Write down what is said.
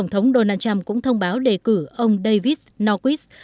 tổng thống donald trump cũng thông báo đề cử ông david norquist